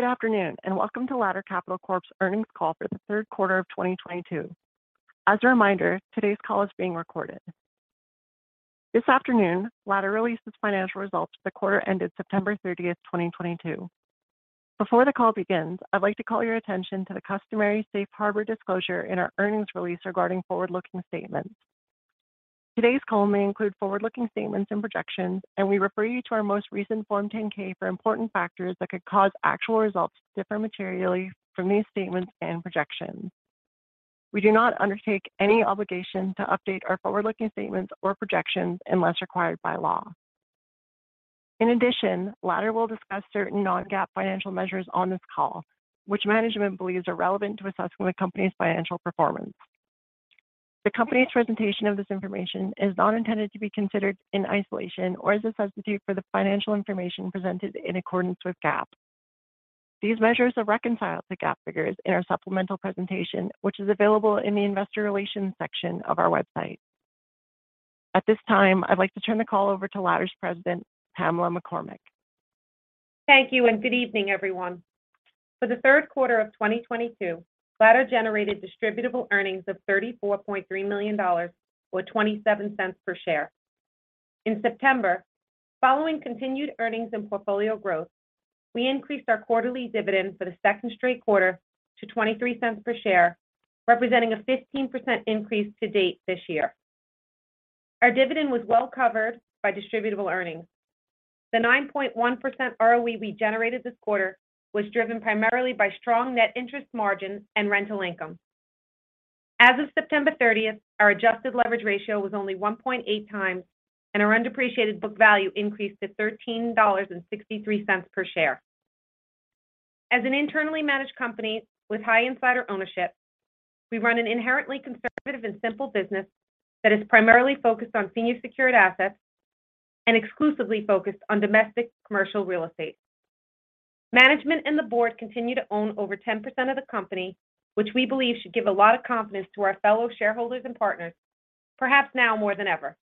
Good afternoon, and welcome to Ladder Capital Corp's earnings call for the third quarter of 2022. As a reminder, today's call is being recorded. This afternoon, Ladder released its financial results for the quarter ended September 30, 2022. Before the call begins, I'd like to call your attention to the customary safe harbor disclosure in our earnings release regarding forward-looking statements. Today's call may include forward-looking statements and projections, and we refer you to our most recent Form 10-K for important factors that could cause actual results to differ materially from these statements and projections. We do not undertake any obligation to update our forward-looking statements or projections unless required by law. In addition, Ladder will discuss certain non-GAAP financial measures on this call, which management believes are relevant to assessing the company's financial performance. The company's presentation of this information is not intended to be considered in isolation or as a substitute for the financial information presented in accordance with GAAP. These measures are reconciled to GAAP figures in our supplemental presentation, which is available in the investor relations section of our website. At this time, I'd like to turn the call over to Ladder's President, Pamela McCormack. Thank you, and good evening, everyone. For the third quarter of 2022, Ladder generated distributable earnings of $34.3 million, or $0.27 per share. In September, following continued earnings and portfolio growth, we increased our quarterly dividend for the second straight quarter to $0.23 per share, representing a 15% increase to date this year. Our dividend was well-covered by distributable earnings. The 9.1% ROE we generated this quarter was driven primarily by strong net interest margin and rental income. As of September 30, our adjusted leverage ratio was only 1.8 times, and our undepreciated book value increased to $13.63 per share. As an internally managed company with high insider ownership, we run an inherently conservative and simple business that is primarily focused on senior secured assets and exclusively focused on domestic commercial real estate. Management and the board continue to own over 10% of the company, which we believe should give a lot of confidence to our fellow shareholders and partners, perhaps now more than ever.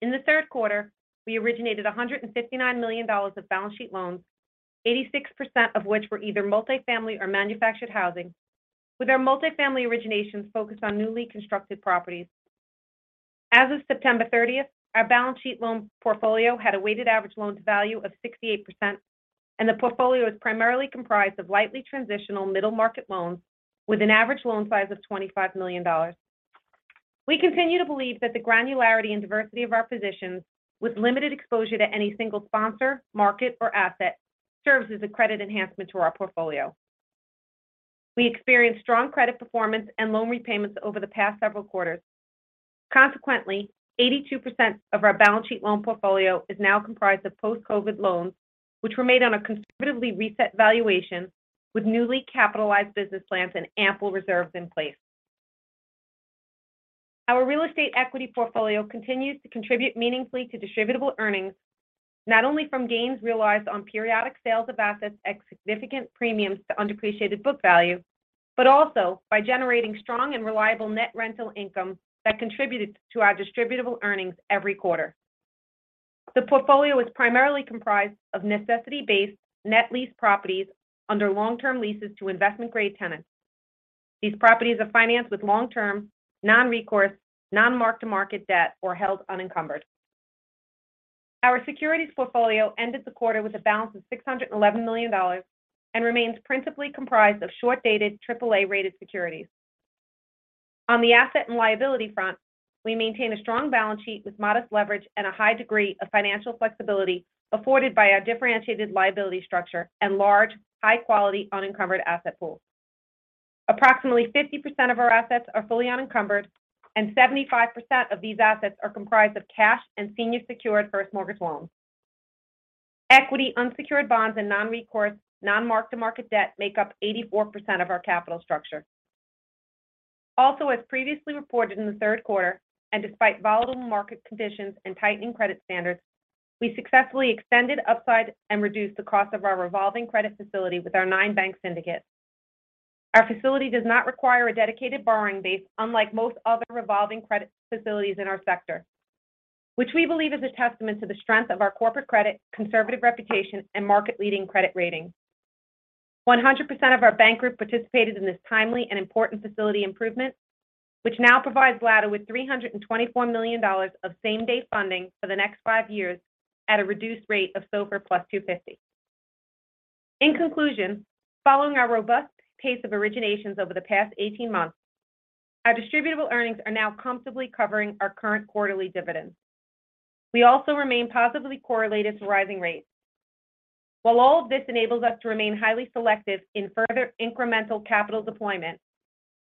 In the third quarter, we originated $159 million of balance sheet loans, 86% of which were either multi-family or manufactured housing, with our multi-family originations focused on newly constructed properties. As of September thirtieth, our balance sheet loan portfolio had a weighted average loan to value of 68%, and the portfolio is primarily comprised of lightly transitional middle-market loans with an average loan size of $25 million. We continue to believe that the granularity and diversity of our positions with limited exposure to any single sponsor, market, or asset serves as a credit enhancement to our portfolio. We experienced strong credit performance and loan repayments over the past several quarters. Consequently, 82% of our balance sheet loan portfolio is now comprised of post-COVID loans, which were made on a conservatively reset valuation with newly capitalized business plans and ample reserves in place. Our real estate equity portfolio continues to contribute meaningfully to distributable earnings, not only from gains realized on periodic sales of assets at significant premiums to undepreciated book value, but also by generating strong and reliable net rental income that contributed to our distributable earnings every quarter. The portfolio is primarily comprised of necessity-based net lease properties under long-term leases to investment-grade tenants. These properties are financed with long-term, non-recourse, non-mark-to-market debt or held unencumbered. Our securities portfolio ended the quarter with a balance of $611 million and remains principally comprised of short-dated AAA-rated securities. On the asset and liability front, we maintain a strong balance sheet with modest leverage and a high degree of financial flexibility afforded by our differentiated liability structure and large, high-quality unencumbered asset pool. Approximately 50% of our assets are fully unencumbered, and 75% of these assets are comprised of cash and senior secured first mortgage loans. Equity, unsecured bonds, and non-recourse, non-mark-to-market debt make up 84% of our capital structure. Also, as previously reported in the third quarter, and despite volatile market conditions and tightening credit standards, we successfully extended upside and reduced the cost of our revolving credit facility with our 9-bank syndicate. Our facility does not require a dedicated borrowing base, unlike most other revolving credit facilities in our sector, which we believe is a testament to the strength of our corporate credit, conservative reputation, and market-leading credit rating. 100% of our bank group participated in this timely and important facility improvement, which now provides Ladder with $324 million of same-day funding for the next five years at a reduced rate of SOFR plus 250. In conclusion, following our robust pace of originations over the past 18 months, our distributable earnings are now comfortably covering our current quarterly dividend. We also remain positively correlated to rising rates. While all of this enables us to remain highly selective in further incremental capital deployment,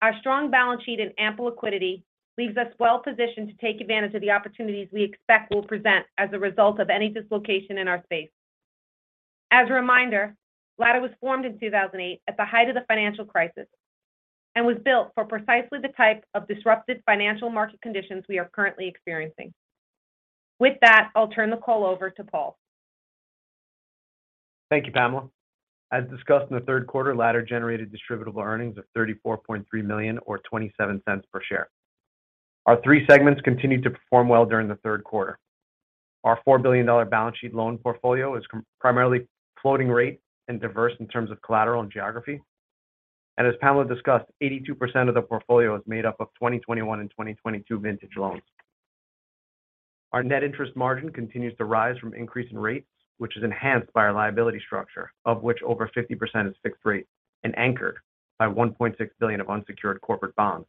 our strong balance sheet and ample liquidity leaves us well positioned to take advantage of the opportunities we expect will present as a result of any dislocation in our space. As a reminder, Ladder was formed in 2008 at the height of the financial crisis and was built for precisely the type of disrupted financial market conditions we are currently experiencing. With that, I'll turn the call over to Paul. Thank you, Pamela. As discussed in the third quarter, Ladder generated distributable earnings of $34.3 million or $0.27 per share. Our three segments continued to perform well during the third quarter. Our $4 billion balance sheet loan portfolio is primarily floating rate and diverse in terms of collateral and geography. As Pamela discussed, 82% of the portfolio is made up of 2021 and 2022 vintage loans. Our net interest margin continues to rise from increase in rates, which is enhanced by our liability structure, of which over 50% is fixed rate and anchored by $1.6 billion of unsecured corporate bonds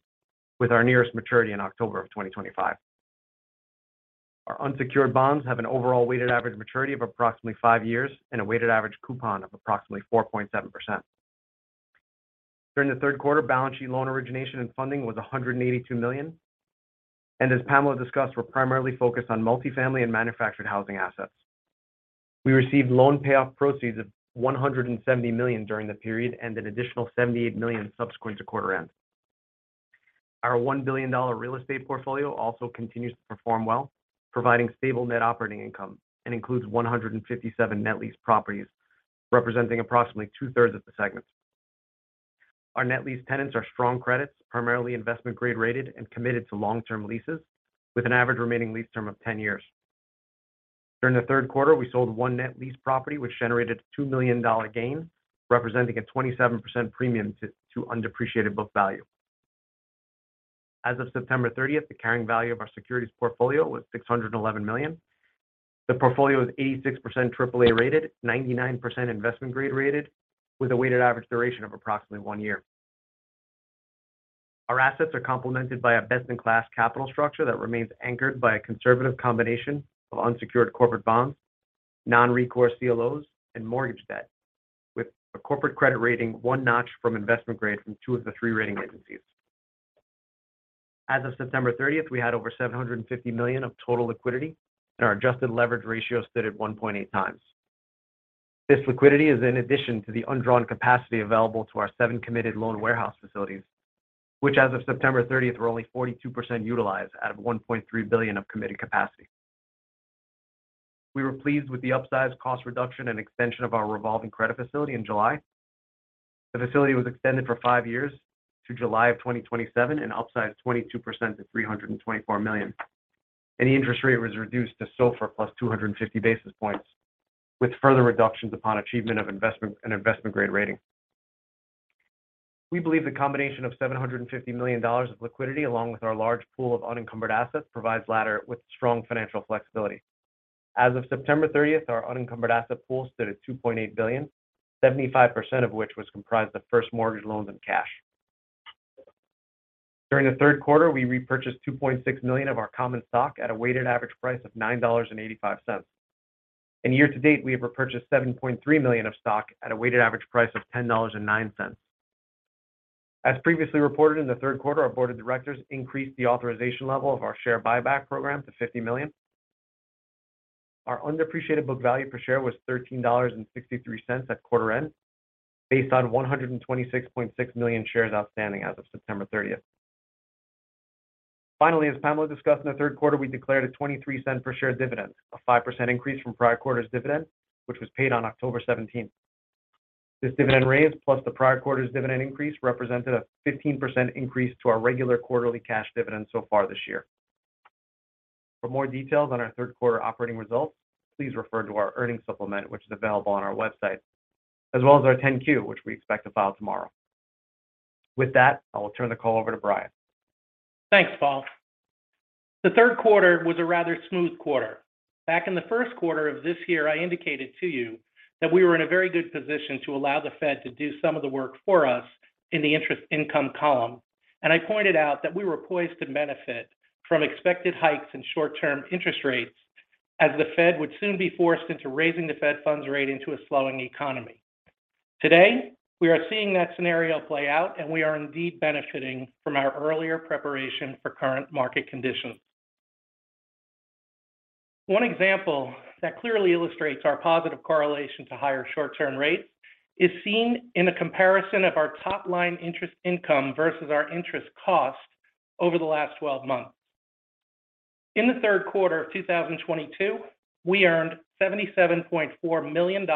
with our nearest maturity in October 2025. Our unsecured bonds have an overall weighted average maturity of approximately five years and a weighted average coupon of approximately 4.7%. During the third quarter, balance sheet loan origination and funding was $182 million. As Pamela discussed, we're primarily focused on multifamily and manufactured housing assets. We received loan payoff proceeds of $170 million during the period and an additional $78 million subsequent to quarter end. Our $1 billion real estate portfolio also continues to perform well, providing stable net operating income and includes 157 net lease properties, representing approximately two-thirds of the segments. Our net lease tenants are strong credits, primarily investment grade rated and committed to long-term leases with an average remaining lease term of 10 years. During the third quarter, we sold one net lease property, which generated a $2 million gain, representing a 27% premium to undepreciated book value. As of September 30, the carrying value of our securities portfolio was $611 million. The portfolio is 86% AAA rated, 99% investment grade rated with a weighted average duration of approximately 1 year. Our assets are complemented by a best-in-class capital structure that remains anchored by a conservative combination of unsecured corporate bonds, non-recourse CLOs, and mortgage debt with a corporate credit rating one notch from investment grade from two of the three rating agencies. As of September thirtieth, we had over $750 million of total liquidity, and our adjusted leverage ratio stood at 1.8 times. This liquidity is in addition to the undrawn capacity available to our seven committed loan warehouse facilities, which as of September thirtieth, were only 42% utilized out of $1.3 billion of committed capacity. We were pleased with the upsize cost reduction and extension of our revolving credit facility in July. The facility was extended for five years to July 2027 and upsized 22% to $324 million, and the interest rate was reduced to SOFR plus 250 basis points, with further reductions upon achievement of investment grade rating. We believe the combination of $750 million of liquidity, along with our large pool of unencumbered assets, provides Ladder with strong financial flexibility. As of September 30th, our unencumbered asset pool stood at $2.8 billion, 75% of which was comprised of first mortgage loans and cash. During the third quarter, we repurchased 2.6 million of our common stock at a weighted average price of $9.85. Year to date, we have repurchased 7.3 million of stock at a weighted average price of $10.09. As previously reported in the third quarter, our board of directors increased the authorization level of our share buyback program to $50 million. Our undepreciated book value per share was $13.63 at quarter end, based on 126.6 million shares outstanding as of September 30. Finally, as Pamela discussed in the third quarter, we declared a $0.23 per share dividend, a 5% increase from prior quarter's dividend, which was paid on October 17. This dividend raise plus the prior quarter's dividend increase represented a 15% increase to our regular quarterly cash dividend so far this year. For more details on our third quarter operating results, please refer to our earnings supplement, which is available on our website, as well as our 10-Q, which we expect to file tomorrow. With that, I will turn the call over to Brian. Thanks, Paul. The third quarter was a rather smooth quarter. Back in the first quarter of this year, I indicated to you that we were in a very good position to allow the Fed to do some of the work for us in the interest income column. I pointed out that we were poised to benefit from expected hikes in short-term interest rates as the Fed would soon be forced into raising the Fed funds rate into a slowing economy. Today, we are seeing that scenario play out, and we are indeed benefiting from our earlier preparation for current market conditions. One example that clearly illustrates our positive correlation to higher short-term rates is seen in a comparison of our top line interest income versus our interest cost over the last 12 months. In the third quarter of 2022, we earned $77.4 million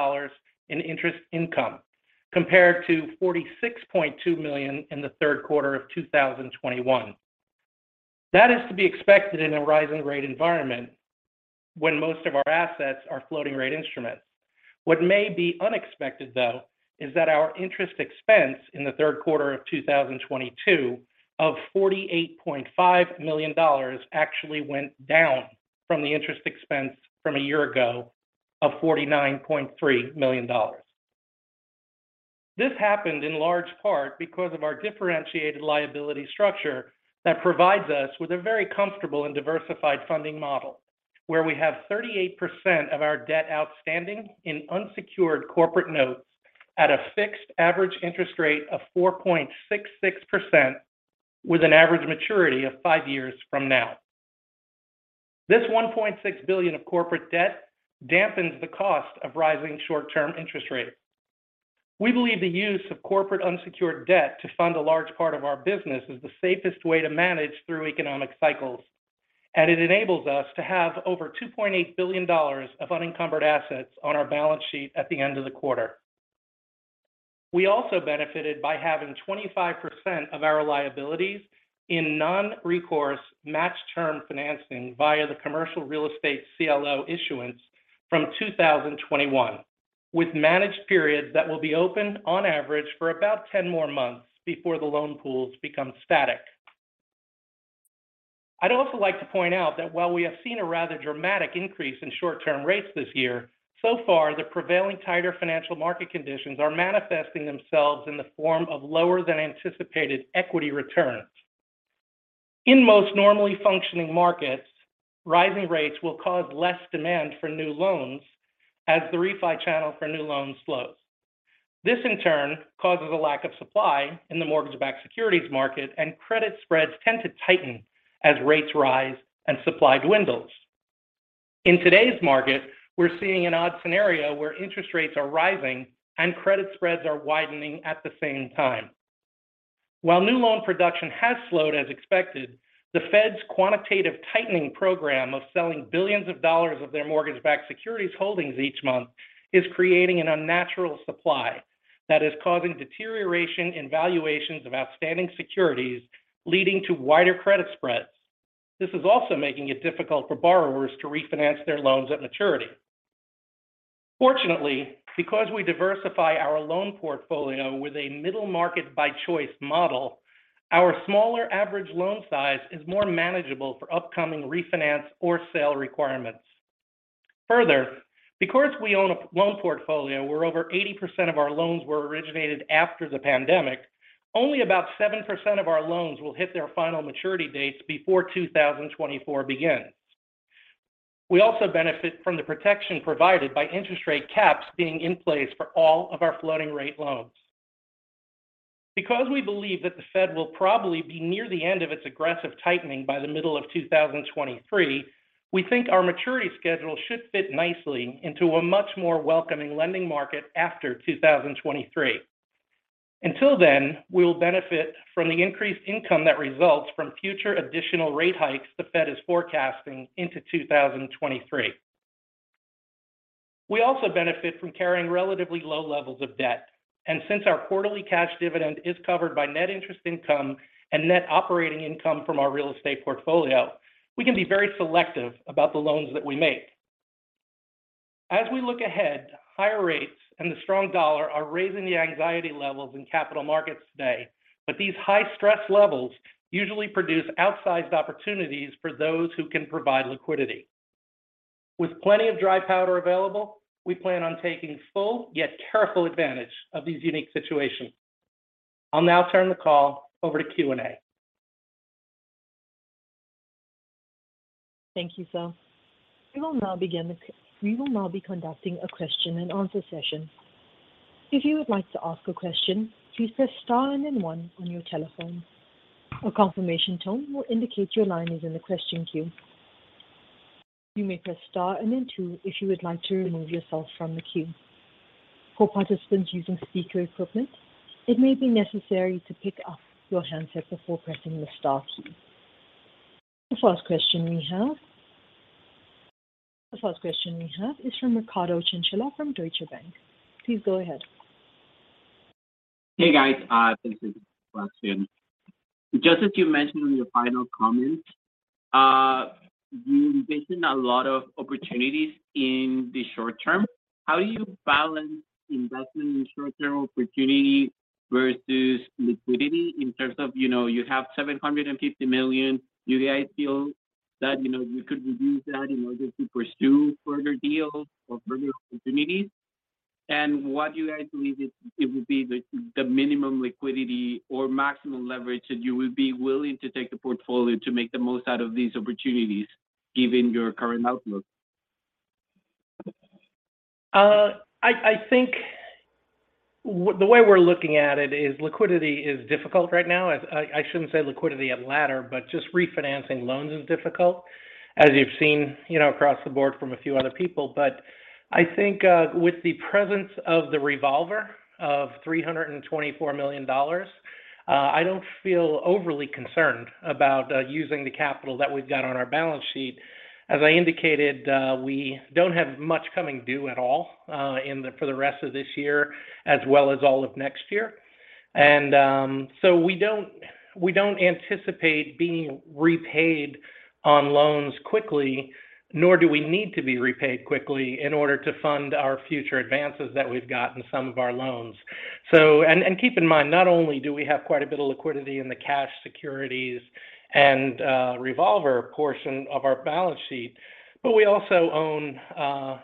in interest income compared to $46.2 million in the third quarter of 2021. That is to be expected in a rising rate environment when most of our assets are floating rate instruments. What may be unexpected, though, is that our interest expense in the third quarter of 2022 of $48.5 million actually went down from the interest expense from a year ago of $49.3 million. This happened in large part because of our differentiated liability structure that provides us with a very comfortable and diversified funding model, where we have 38% of our debt outstanding in unsecured corporate notes at a fixed average interest rate of 4.66% with an average maturity of five years from now. This $1.6 billion of corporate debt dampens the cost of rising short-term interest rates. We believe the use of corporate unsecured debt to fund a large part of our business is the safest way to manage through economic cycles, and it enables us to have over $2.8 billion of unencumbered assets on our balance sheet at the end of the quarter. We also benefited by having 25% of our liabilities in non-recourse matched term financing via the commercial real estate CLO issuance from 2021, with managed periods that will be open on average for about 10 more months before the loan pools become static. I'd also like to point out that while we have seen a rather dramatic increase in short-term rates this year, so far the prevailing tighter financial market conditions are manifesting themselves in the form of lower than anticipated equity returns. In most normally functioning markets, rising rates will cause less demand for new loans as the refi channel for new loans slows. This in turn causes a lack of supply in the mortgage-backed securities market, and credit spreads tend to tighten as rates rise and supply dwindles. In today's market, we're seeing an odd scenario where interest rates are rising and credit spreads are widening at the same time. While new loan production has slowed as expected, the Fed's quantitative tightening program of selling billions of dollars of their mortgage-backed securities holdings each month is creating an unnatural supply that is causing deterioration in valuations of outstanding securities, leading to wider credit spreads. This is also making it difficult for borrowers to refinance their loans at maturity. Fortunately, because we diversify our loan portfolio with a middle market by choice model, our smaller average loan size is more manageable for upcoming refinance or sale requirements. Further, because we own a loan portfolio where over 80% of our loans were originated after the pandemic, only about 7% of our loans will hit their final maturity dates before 2024 begins. We also benefit from the protection provided by interest rate caps being in place for all of our floating rate loans. Because we believe that the Fed will probably be near the end of its aggressive tightening by the middle of 2023, we think our maturity schedule should fit nicely into a much more welcoming lending market after 2023. Until then, we will benefit from the increased income that results from future additional rate hikes the Fed is forecasting into 2023. We also benefit from carrying relatively low levels of debt. Since our quarterly cash dividend is covered by net interest income and net operating income from our real estate portfolio, we can be very selective about the loans that we make. As we look ahead, higher rates and the strong dollar are raising the anxiety levels in capital markets today. These high stress levels usually produce outsized opportunities for those who can provide liquidity. With plenty of dry powder available, we plan on taking full, yet careful advantage of these unique situations. I'll now turn the call over to Q&A. Thank you, Brian. We will now be conducting a question and answer session. If you would like to ask a question, please press star and then one on your telephone. A confirmation tone will indicate your line is in the question queue. You may press star and then two if you would like to remove yourself from the queue. For participants using speaker equipment, it may be necessary to pick up your handset before pressing the star key. The first question we have is from Ricardo Chinchilla from Deutsche Bank. Please go ahead. Hey, guys. This is question. Just as you mentioned in your final comments, you envision a lot of opportunities in the short term. How do you balance investment in short-term opportunity versus liquidity in terms of, you know, you have $750 million? Do you guys feel that, you know, you could reduce that in order to pursue further deals or further opportunities? What do you guys believe would be the minimum liquidity or maximum leverage that you would be willing to take the portfolio to make the most out of these opportunities given your current outlook? I think the way we're looking at it is liquidity is difficult right now. As I shouldn't say liquidity at Ladder, but just refinancing loans is difficult, as you've seen, you know, across the board from a few other people. But I think with the presence of the revolver of $324 million, I don't feel overly concerned about using the capital that we've got on our balance sheet. As I indicated, we don't have much coming due at all for the rest of this year as well as all of next year. We don't anticipate being repaid on loans quickly, nor do we need to be repaid quickly in order to fund our future advances that we've got in some of our loans Keep in mind, not only do we have quite a bit of liquidity in the cash securities and revolver portion of our balance sheet, but we also own,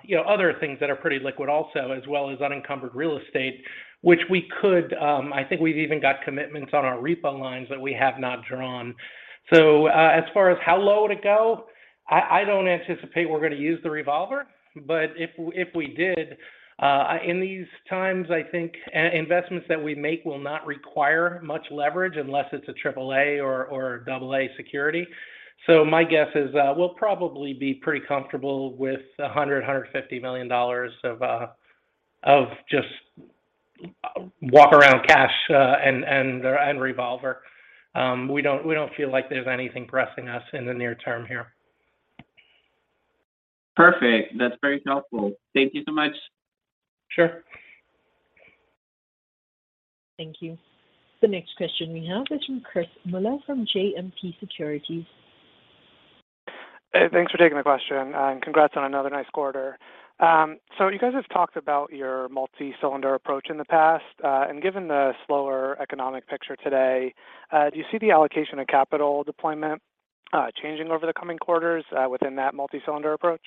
you know, other things that are pretty liquid also, as well as unencumbered real estate, which we could. I think we've even got commitments on our repo lines that we have not drawn. As far as how low to go, I don't anticipate we're gonna use the revolver. But if we did, in these times, I think investments that we make will not require much leverage unless it's a AAA or AA security. My guess is, we'll probably be pretty comfortable with $100 million-$150 million of just walk-around cash and revolver. We don't feel like there's anything pressing us in the near term here. Perfect. That's very helpful. Thank you so much. Sure. Thank you. The next question we have is from Christopher Muller from JMP Securities. Thanks for taking the question, and congrats on another nice quarter. You guys have talked about your multi-cylinder approach in the past. Given the slower economic picture today, do you see the allocation of capital deployment changing over the coming quarters within that multi-cylinder approach?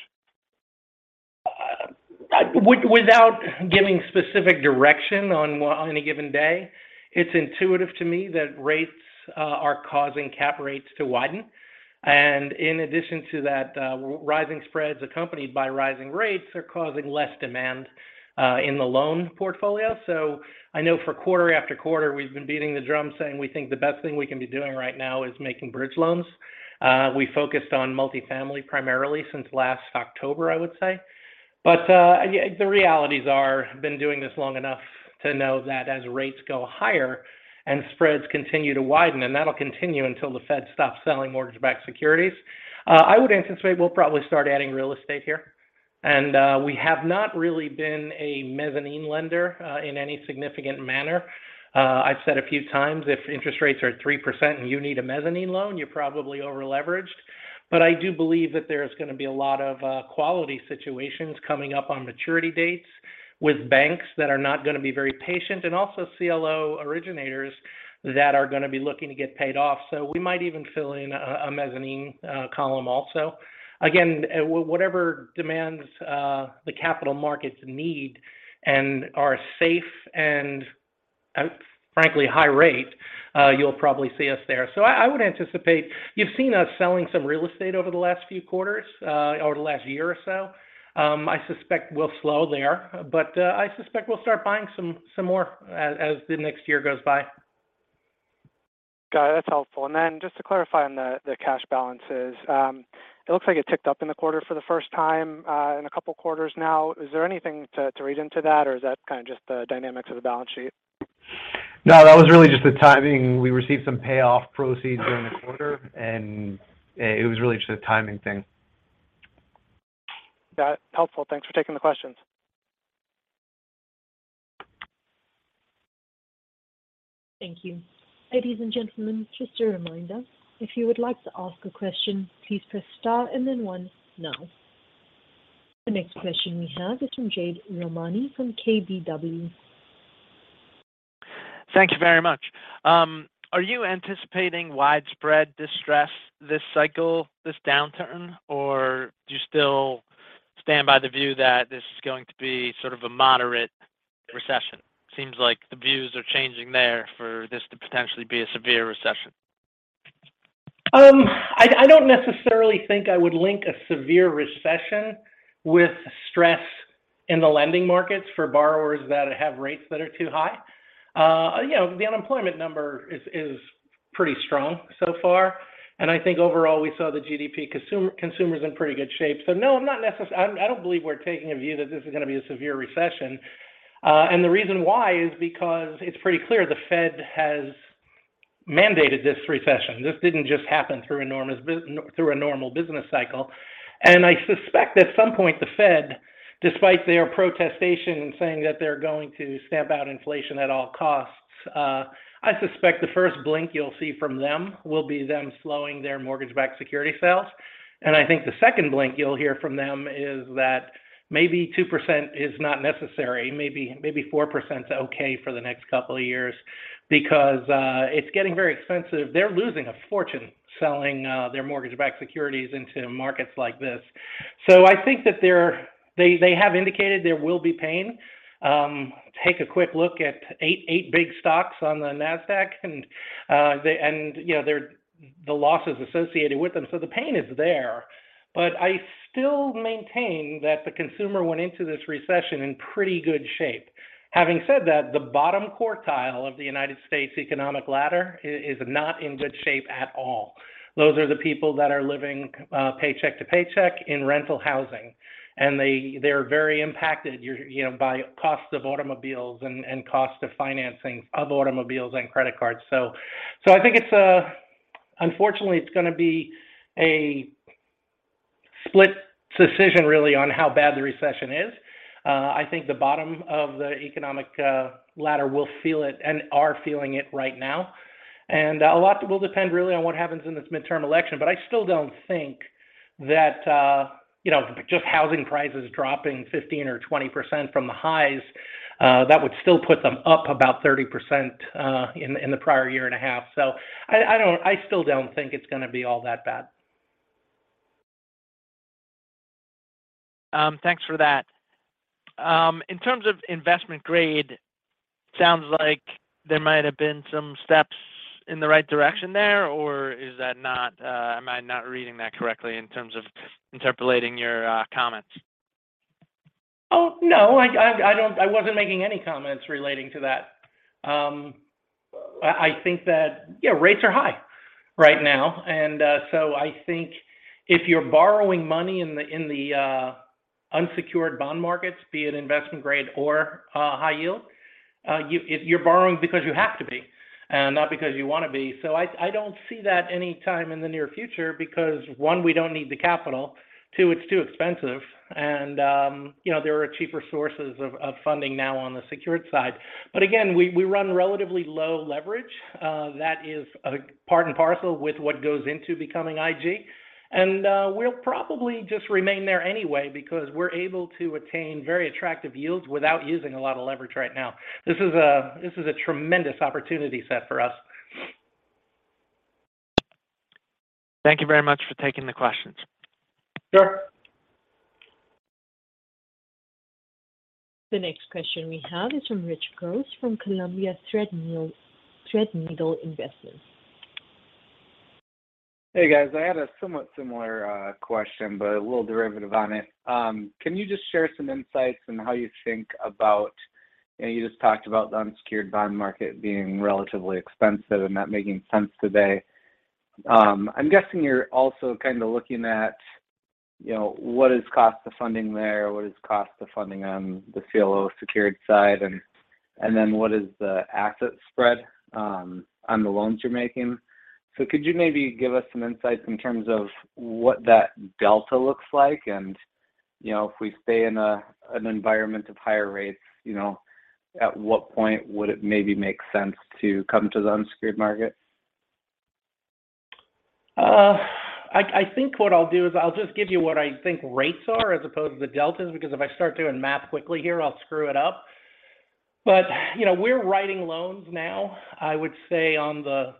Without giving specific direction on any given day, it's intuitive to me that rates are causing cap rates to widen. In addition to that, rising spreads accompanied by rising rates are causing less demand in the loan portfolio. I know for quarter after quarter, we've been beating the drum saying we think the best thing we can be doing right now is making bridge loans. We focused on multifamily primarily since last October, I would say. The reality is we've been doing this long enough to know that as rates go higher and spreads continue to widen, and that'll continue until the Fed stops selling mortgage-backed securities. I would anticipate we'll probably start adding real estate here. We have not really been a mezzanine lender in any significant manner. I've said a few times, if interest rates are 3% and you need a mezzanine loan, you're probably over-leveraged. I do believe that there's gonna be a lot of quality situations coming up on maturity dates with banks that are not gonna be very patient, and also CLO originators that are gonna be looking to get paid off. We might even fill in a mezzanine column also. Again, whatever demands the capital markets need and are safe and frankly high rate, you'll probably see us there. I would anticipate. You've seen us selling some real estate over the last few quarters, over the last year or so. I suspect we'll slow there, but I suspect we'll start buying some more as the next year goes by. Got it. That's helpful. Just to clarify on the cash balances. It looks like it ticked up in the quarter for the first time in a couple of quarters now. Is there anything to read into that, or is that kind of just the dynamics of the balance sheet? No, that was really just the timing. We received some payoff proceeds during the quarter, and it was really just a timing thing. That's helpful. Thanks for taking the questions. Thank you. Ladies and gentlemen, just a reminder, if you would like to ask a question, please press star and then one now. The next question we have is from Jade Rahmani from KBW. Thank you very much. Are you anticipating widespread distress this cycle, this downturn, or do you still stand by the view that this is going to be sort of a moderate recession? Seems like the views are changing there for this to potentially be a severe recession. I don't necessarily think I would link a severe recession with stress in the lending markets for borrowers that have rates that are too high. You know, the unemployment number is pretty strong so far. I think overall we saw the GDP, consumers in pretty good shape. No, I don't believe we're taking a view that this is gonna be a severe recession. The reason why is because it's pretty clear the Fed has mandated this recession. This didn't just happen through a normal business cycle. I suspect at some point, the Fed, despite their protestation in saying that they're going to stamp out inflation at all costs, I suspect the first blink you'll see from them will be them slowing their mortgage-backed securities sales. I think the second blink you'll hear from them is that maybe 2% is not necessary. Maybe 4% is okay for the next couple of years because it's getting very expensive. They're losing a fortune selling their mortgage-backed securities into markets like this. I think that they have indicated there will be pain. Take a quick look at eight big stocks on the Nasdaq and, you know, the losses associated with them. The pain is there. I still maintain that the consumer went into this recession in pretty good shape. Having said that, the bottom quartile of the United States economic ladder is not in good shape at all. Those are the people that are living paycheck to paycheck in rental housing, and they're very impacted, you know, by cost of automobiles and cost of financing of automobiles and credit cards. I think it's unfortunately gonna be a split decision really on how bad the recession is. I think the bottom of the economic ladder will feel it and are feeling it right now. A lot will depend really on what happens in this midterm election. I still don't think that, you know, just housing prices dropping 15% or 20% from the highs, that would still put them up about 30%, in the prior year and a half. I don't. I still don't think it's gonna be all that bad. Thanks for that. In terms of investment grade, sounds like there might have been some steps in the right direction there, or is that not? Am I not reading that correctly in terms of interpreting your comments? Oh, no, I don't. I wasn't making any comments relating to that. I think that yeah, rates are high right now. I think if you're borrowing money in the unsecured bond markets, be it investment grade or high yield, you're borrowing because you have to be, and not because you wanna be. I don't see that any time in the near future because one, we don't need the capital, two, it's too expensive and you know, there are cheaper sources of funding now on the secured side. Again, we run relatively low leverage. That is a part and parcel with what goes into becoming IG. We'll probably just remain there anyway because we're able to attain very attractive yields without using a lot of leverage right now. This is a tremendous opportunity set for us. Thank you very much for taking the questions. Sure. The next question we have is from Richard Gross from Columbia Threadneedle Investments. Hey, guys. I had a somewhat similar question, but a little derivative on it. Can you just share some insights on how you think about? You just talked about the unsecured bond market being relatively expensive and that making sense today. I'm guessing you're also kinda looking at, you know, what is cost of funding there, what is cost of funding on the CLO secured side, and then what is the asset spread on the loans you're making. Could you maybe give us some insights in terms of what that delta looks like? You know, if we stay in an environment of higher rates, you know, at what point would it maybe make sense to come to the unsecured market? I think what I'll do is I'll just give you what I think rates are as opposed to the deltas, because if I start doing math quickly here, I'll screw it up. You know, we're writing loans now, I would say on the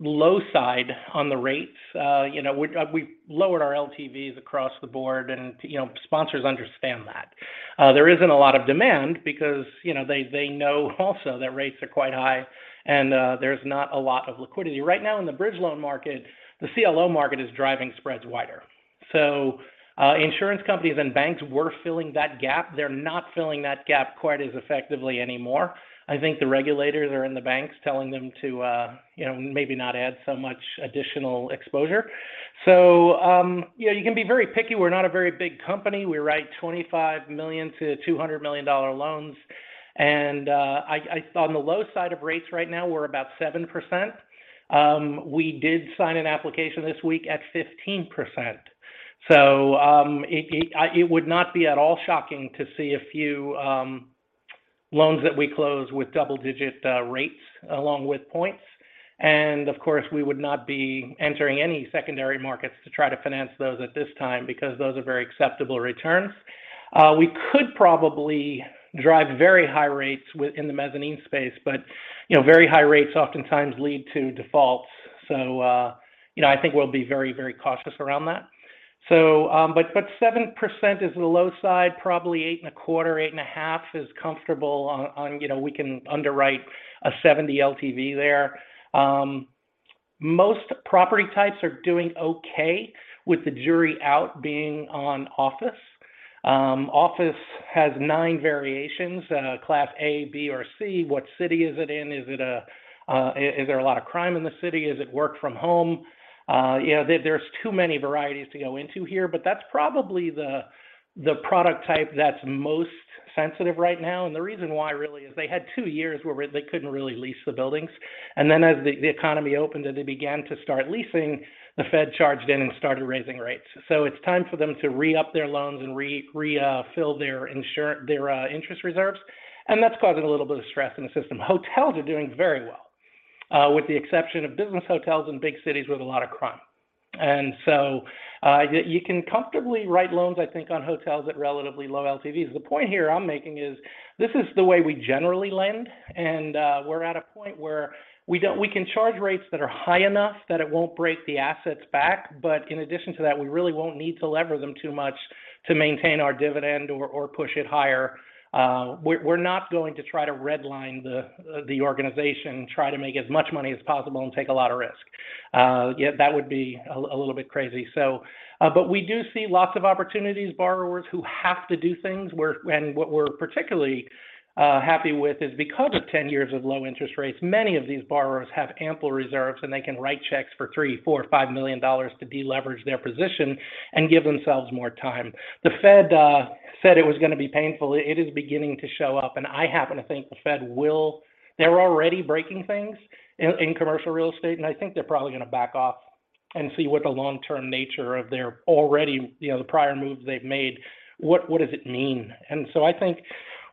low side on the rates. You know, we've lowered our LTVs across the board and, you know, sponsors understand that. There isn't a lot of demand because, you know, they know also that rates are quite high and, there's not a lot of liquidity. Right now in the bridge loan market, the CLO market is driving spreads wider. Insurance companies and banks were filling that gap. They're not filling that gap quite as effectively anymore. I think the regulators are in the banks telling them to, you know, maybe not add so much additional exposure. You know, you can be very picky. We're not a very big company. We write $25 million-$200 million loans. On the low side of rates right now, we're about 7%. We did sign an application this week at 15%. It would not be at all shocking to see a few loans that we close with double-digit rates along with points. Of course, we would not be entering any secondary markets to try to finance those at this time because those are very acceptable returns. We could probably drive very high rates in the mezzanine space, but you know, very high rates oftentimes lead to defaults. You know, I think we'll be very, very cautious around that. 7% is the low side, probably 8.25, 8.5 is comfortable on, you know, we can underwrite a 70 LTV there. Most property types are doing okay with the jury's out on office. Office has 9 variations, class A, B, or C. What city is it in? Is there a lot of crime in the city? Is it work from home? You know, there's too many varieties to go into here, but that's probably the product type that's most sensitive right now. The reason why really is they had two years where they couldn't really lease the buildings. As the economy opened and they began to start leasing, the Fed charged in and started raising rates. It's time for them to re-up their loans and refill their interest reserves. That's causing a little bit of stress in the system. Hotels are doing very well with the exception of business hotels in big cities with a lot of crime. You can comfortably write loans, I think, on hotels at relatively low LTVs. The point here I'm making is this is the way we generally lend, and we're at a point where we can charge rates that are high enough that it won't break the assets back. But in addition to that, we really won't need to lever them too much to maintain our dividend or push it higher. We're not going to try to redline the organization, try to make as much money as possible and take a lot of risk. Yeah, that would be a little bit crazy, so. We do see lots of opportunities, borrowers who have to do things where. What we're particularly happy with is because of 10 years of low interest rates, many of these borrowers have ample reserves, and they can write checks for $3 million, $4 million, $5 million to deleverage their position and give themselves more time. The Fed said it was gonna be painful. It is beginning to show up, and I happen to think the Fed will. They're already breaking things in commercial real estate, and I think they're probably gonna back off and see what the long-term nature of there already, you know, the prior moves they've made, what does it mean? I think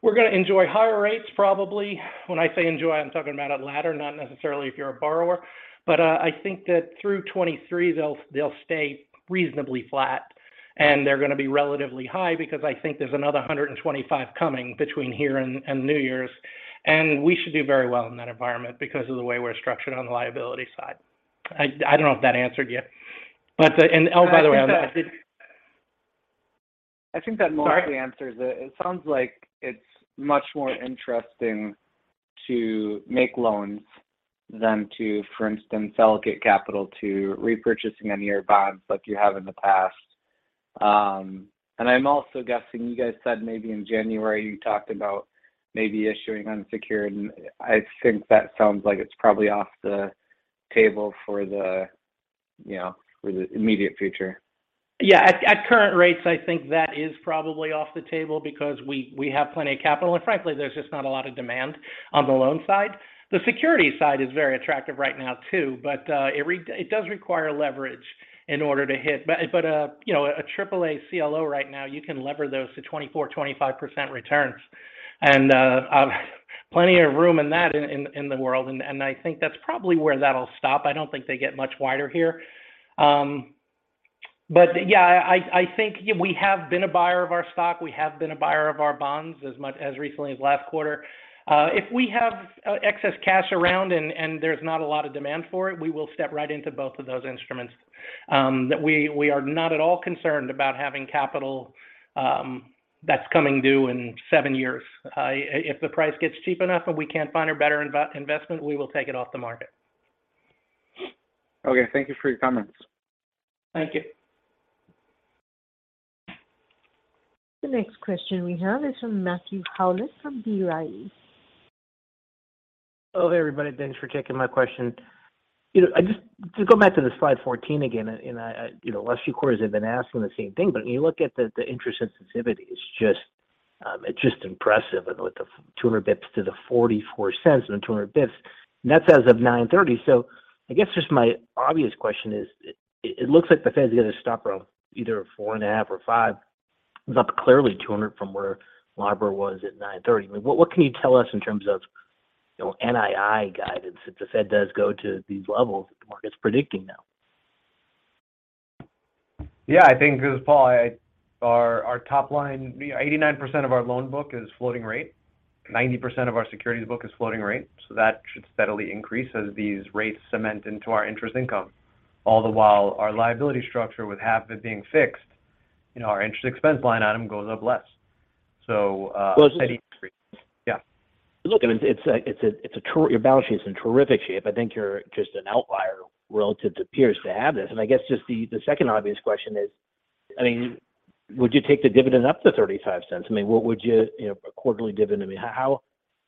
we're gonna enjoy higher rates probably. When I say enjoy, I'm talking about a ladder, not necessarily if you're a borrower. I think that through 2023 they'll stay reasonably flat, and they're gonna be relatively high because I think there's another 125 coming between here and New Year's. We should do very well in that environment because of the way we're structured on the liability side. I don't know if that answered you. Oh, by the way, I'm. I think that mostly answers it. It sounds like it's much more interesting to make loans than to, for instance, allocate capital to repurchasing any of your bonds like you have in the past. I'm also guessing, you guys said maybe in January, you talked about maybe issuing unsecured, and I think that sounds like it's probably off the table for the, you know, for the immediate future. Yeah. At current rates, I think that is probably off the table because we have plenty of capital. Frankly, there's just not a lot of demand on the loan side. The security side is very attractive right now too, but it does require leverage in order to hit. You know, a AAA CLO right now, you can lever those to 24%-25% returns. Plenty of room in that world. I think that's probably where that'll stop. I don't think they get much wider here. Yeah, I think we have been a buyer of our stock. We have been a buyer of our bonds as recently as last quarter. If we have excess cash around and there's not a lot of demand for it, we will step right into both of those instruments. That we are not at all concerned about having capital that's coming due in seven years. If the price gets cheap enough and we can't find a better investment, we will take it off the market. Okay. Thank you for your comments. Thank you. The next question we have is from Matthew Howlett from B. Riley. Oh, hey everybody. Thanks for taking my question. You know, to go back to the slide 14 again, you know, the last few quarters have been asking the same thing. When you look at the interest sensitivity, it's just impressive. With the 200 bps to the $0.44 and the 200 bps, and that's as of 9:30. I guess just my obvious question is, it looks like the Fed is going to stop around either 4.5% or 5%. It's up clearly 200 from where LIBOR was at 9:30. What can you tell us in terms of, you know, NII guidance if the Fed does go to these levels that the market's predicting now? I think this is Paul. Our top line, 89% of our loan book is floating rate. 90% of our securities book is floating rate. That should steadily increase as these rates cement into our interest income. All the while our liability structure with half of it being fixed, you know, our interest expense line item goes up less. Well. Yeah. Look, your balance sheet is in terrific shape. I think you're just an outlier relative to peers to have this. I guess just the second obvious question is, I mean, would you take the dividend up to $0.35? I mean, what would you know, a quarterly dividend. I mean,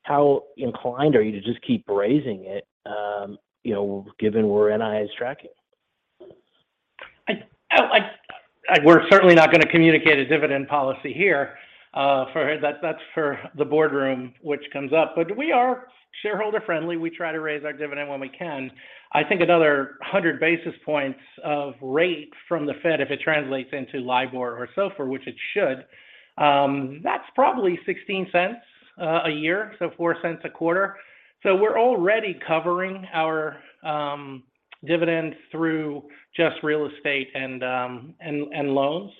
how inclined are you to just keep raising it, you know, given where NII is tracking? We're certainly not going to communicate a dividend policy here, that's for the boardroom, which comes up. We are shareholder friendly. We try to raise our dividend when we can. I think another 100 basis points of rate from the Fed, if it translates into LIBOR or SOFR, which it should, that's probably $0.16 a year, so $0.04 a quarter. We're already covering our dividends through just real estate and loans.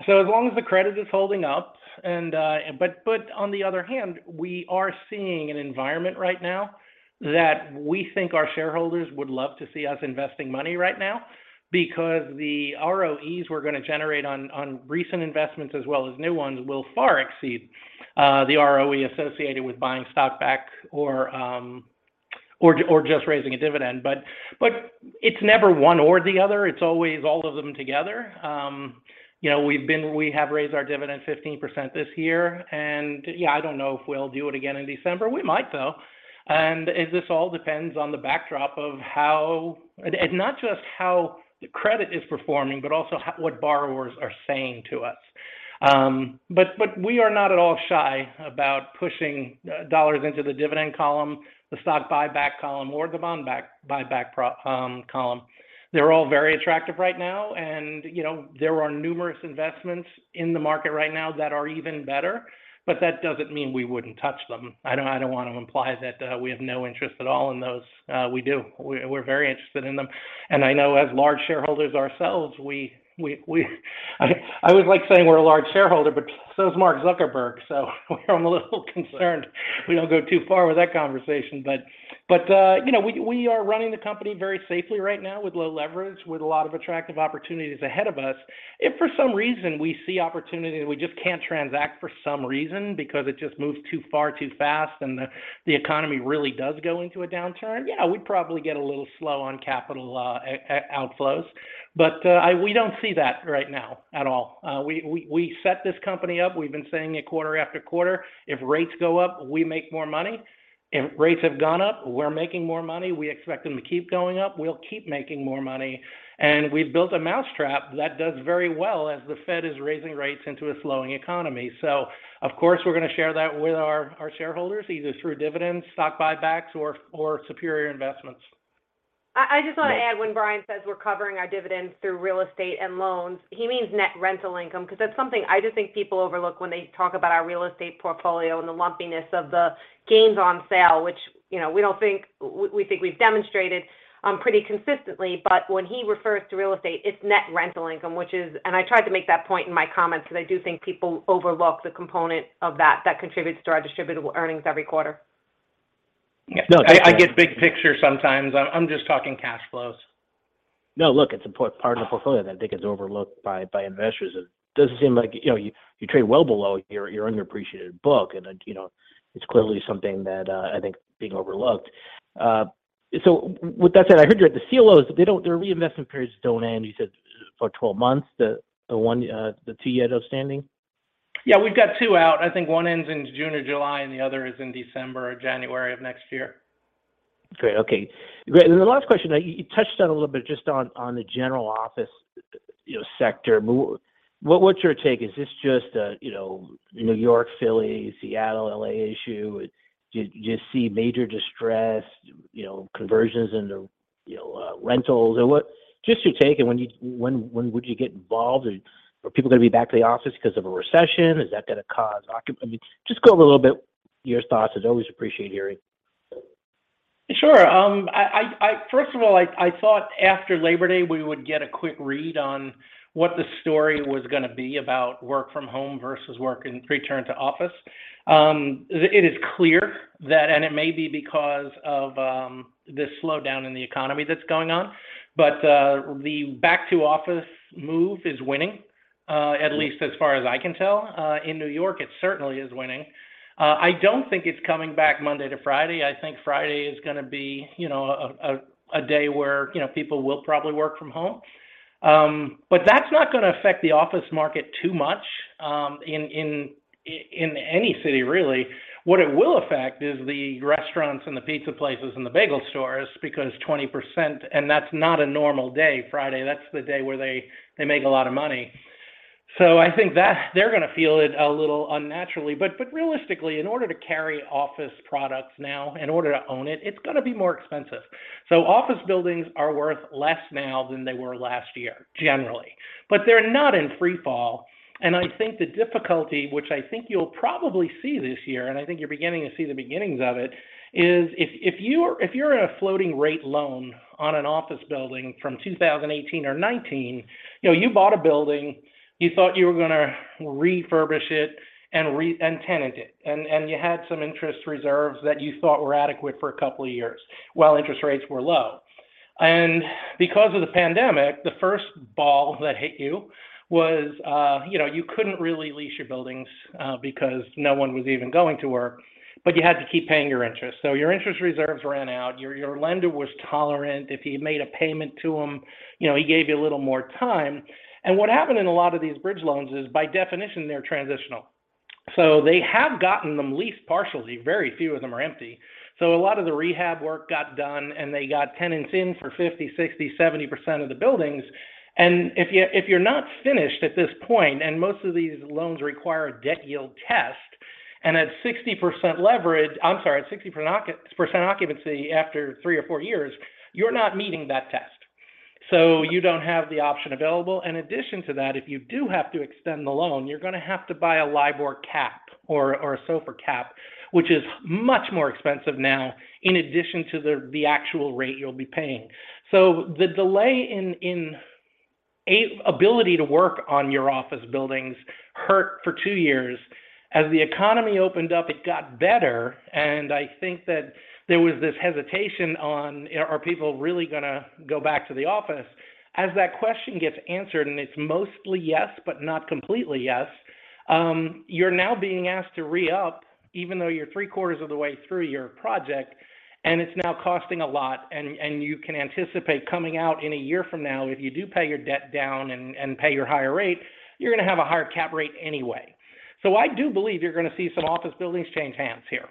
As long as the credit is holding up and. On the other hand, we are seeing an environment right now that we think our shareholders would love to see us investing money right now because the ROEs we're gonna generate on recent investments as well as new ones will far exceed the ROE associated with buying stock back or just raising a dividend. It's never one or the other. It's always all of them together. You know, we have raised our dividend 15% this year and yeah, I don't know if we'll do it again in December. We might, though. This all depends on the backdrop of how and not just how the credit is performing, but also what borrowers are saying to us. We are not at all shy about pushing dollars into the dividend column, the stock buyback column or the bond buyback column. They're all very attractive right now. You know, there are numerous investments in the market right now that are even better, but that doesn't mean we wouldn't touch them. I don't want to imply that we have no interest at all in those. We do. We're very interested in them. I know as large shareholders ourselves, I always like saying we're a large shareholder, but so is Mark Zuckerberg. I'm a little concerned we don't go too far with that conversation. You know, we are running the company very safely right now with low leverage, with a lot of attractive opportunities ahead of us. If for some reason we see opportunity that we just can't transact for some reason because it just moves too far too fast and the economy really does go into a downturn, yeah, we'd probably get a little slow on capital outflows. We don't see that right now at all. We set this company up. We've been saying it quarter after quarter, if rates go up, we make more money. If rates have gone up, we're making more money. We expect them to keep going up. We'll keep making more money. We've built a mousetrap that does very well as the Fed is raising rates into a slowing economy. Of course, we're going to share that with our shareholders, either through dividends, stock buybacks, or superior investments. I just want to add when Brian says we're covering our dividends through real estate and loans, he means net rental income, because that's something I just think people overlook when they talk about our real estate portfolio and the lumpiness of the gains on sale, which, you know, we think we've demonstrated pretty consistently. When he refers to real estate, it's net rental income, which is. I tried to make that point in my comments, because I do think people overlook the component of that contributes to our distributable earnings every quarter. No, I get big picture sometimes. I'm just talking cash flows No, look, it's part of the portfolio that I think is overlooked by investors. It doesn't seem like, you know, you trade well below your undepreciated book. You know, it's clearly something that I think being overlooked. With that said, I heard you at the CLOs, their reinvestment periods don't end, you said for 12 months, the two yet outstanding? Yeah, we've got two out. I think one ends in June or July, and the other is in December or January of next year. Great. Okay. Great. The last question, you touched on a little bit just on the general office, you know, sector. What's your take? Is this just a you know, New York, Philly, Seattle, LA issue? Do you just see major distress, you know, conversions into you know, rentals? What. Just your take, and when would you get involved? Are people gonna be back to the office 'cause of a recession? Is that gonna cause. I mean, just go a little bit your thoughts. As always, appreciate hearing. Sure. First of all, I thought after Labor Day, we would get a quick read on what the story was gonna be about work from home versus work in return to office. It is clear that it may be because of the slowdown in the economy that's going on, but the back to office move is winning. Mm-hmm At least as far as I can tell. In New York, it certainly is winning. I don't think it's coming back Monday to Friday. I think Friday is gonna be, you know, a day where, you know, people will probably work from home. That's not gonna affect the office market too much in any city, really. What it will affect is the restaurants and the pizza places and the bagel stores because 20%, and that's not a normal day, Friday. That's the day where they make a lot of money. I think that they're gonna feel it a little unnaturally. Realistically, in order to carry office products now, in order to own it's gonna be more expensive. Office buildings are worth less now than they were last year, generally. They're not in free fall, and I think the difficulty, which I think you'll probably see this year, and I think you're beginning to see the beginnings of it, is if you're in a floating rate loan on an office building from 2018 or 2019, you know, you bought a building, you thought you were gonna refurbish it and re-tenant it. You had some interest reserves that you thought were adequate for a couple of years while interest rates were low. Because of the pandemic, the first blow that hit you was, you know, you couldn't really lease your buildings, because no one was even going to work. You had to keep paying your interest. Your interest reserves ran out. Your lender was tolerant. If you made a payment to him, you know, he gave you a little more time. What happened in a lot of these bridge loans is, by definition, they're transitional. They have gotten them leased partially. Very few of them are empty. A lot of the rehab work got done, and they got tenants in for 50, 60, 70% of the buildings. If you're not finished at this point, and most of these loans require a debt yield test, and at 60% occupancy after three or four years, you're not meeting that test. You don't have the option available. In addition to that, if you do have to extend the loan, you're gonna have to buy a LIBOR cap or a SOFR cap, which is much more expensive now in addition to the actual rate you'll be paying. The delay in ability to work on your office buildings hurt for two years. As the economy opened up, it got better, and I think that there was this hesitation on, you know, are people really gonna go back to the office? As that question gets answered, and it's mostly yes, but not completely yes, you're now being asked to re-up even though you're three-quarters of the way through your project, and it's now costing a lot. You can anticipate coming out in a year from now, if you do pay your debt down and pay your higher rate, you're gonna have a higher cap rate anyway. I do believe you're gonna see some office buildings change hands here.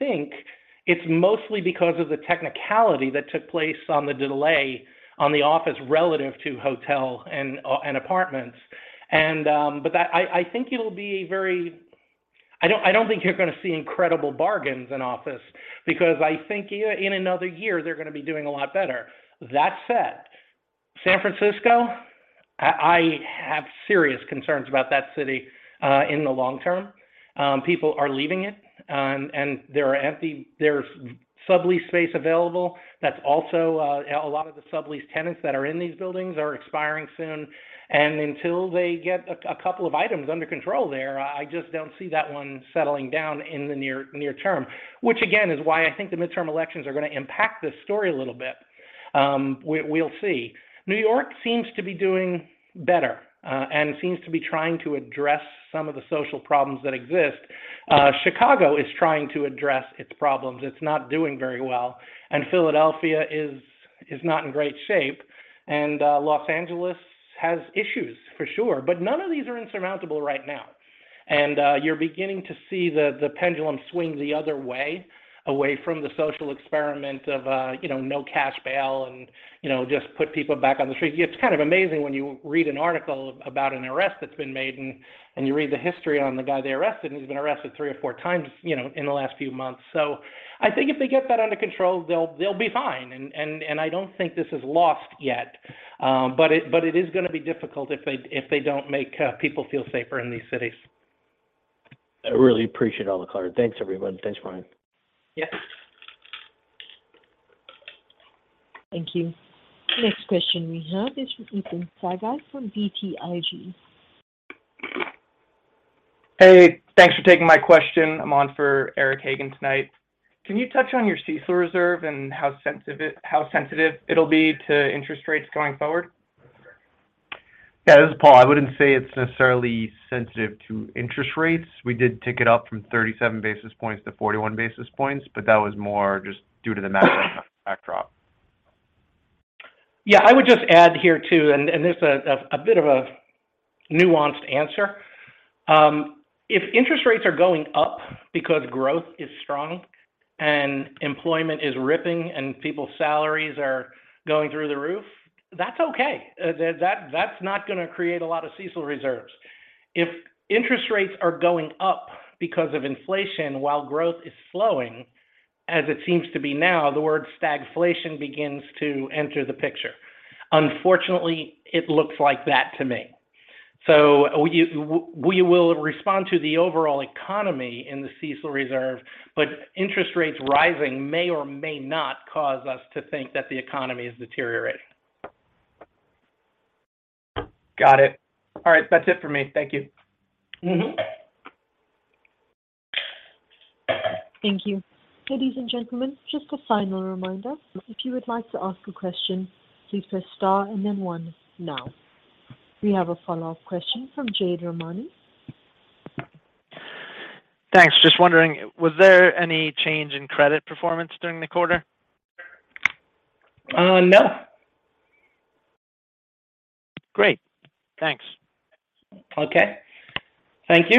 I think it's mostly because of the technicality that took place on the delay on the office relative to hotel and apartments. I don't think you're gonna see incredible bargains in office because I think in another year, they're gonna be doing a lot better. That said, San Francisco, I have serious concerns about that city in the long term. People are leaving it, and there's sublease space available. A lot of the sublease tenants that are in these buildings are expiring soon. Until they get a couple of items under control there, I just don't see that one settling down in the near term, which again, is why I think the midterm elections are gonna impact this story a little bit. We'll see. New York seems to be doing better, and seems to be trying to address some of the social problems that exist. Chicago is trying to address its problems. It's not doing very well. Philadelphia is not in great shape. Los Angeles has issues, for sure. None of these are insurmountable right now. You're beginning to see the pendulum swing the other way, away from the social experiment of, you know, no cash bail and, you know, just put people back on the street. It's kind of amazing when you read an article about an arrest that's been made and you read the history on the guy they arrested, and he's been arrested three or four times, you know, in the last few months. I think if they get that under control, they'll be fine. I don't think this is lost yet. It is gonna be difficult if they don't make people feel safer in these cities. I really appreciate all the color. Thanks, everyone. Thanks, Brian. Yep. Thank you. Next question we have is from Ethan Saghi from BTIG. Hey, thanks for taking my question. I'm on for Eric Hagen tonight. Can you touch on your CECL reserve and how sensitive it'll be to interest rates going forward? Yeah. This is Paul. I wouldn't say it's necessarily sensitive to interest rates. We did tick it up from 37 basis points to 41 basis points, but that was more just due to the macro backdrop. Yeah, I would just add here too, this is a bit of a nuanced answer. If interest rates are going up because growth is strong and employment is ripping and people's salaries are going through the roof, that's okay. That's not gonna create a lot of CECL reserves. If interest rates are going up because of inflation while growth is slowing, as it seems to be now, the word stagflation begins to enter the picture. Unfortunately, it looks like that to me. We will respond to the overall economy in the CECL reserve, but interest rates rising may or may not cause us to think that the economy is deteriorating. Got it. All right. That's it for me. Thank you. Mm-hmm. Thank you. Ladies and gentlemen, just a final reminder. If you would like to ask a question, please press star and then one now. We have a follow-up question from Jade Rahmani. Thanks. Just wondering, was there any change in credit performance during the quarter? No. Great. Thanks. Okay. Thank you.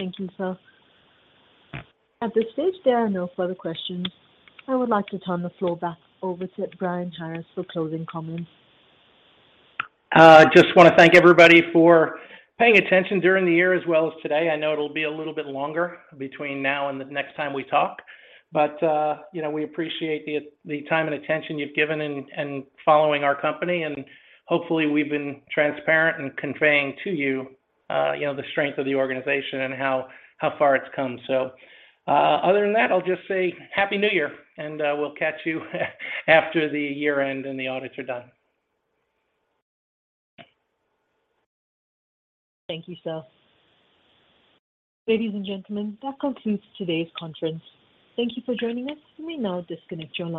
Thank you, sir. At this stage, there are no further questions. I would like to turn the floor back over to Brian Harris for closing comments. I just want to thank everybody for paying attention during the year as well as today. I know it'll be a little bit longer between now and the next time we talk. You know, we appreciate the time and attention you've given and following our company. Hopefully, we've been transparent in conveying to you know, the strength of the organization and how far it's come. Other than that, I'll just say Happy New Year, and we'll catch you after the year-end and the audits are done. Thank you, sir. Ladies and gentlemen, that concludes today's conference. Thank you for joining us. You may now disconnect your lines.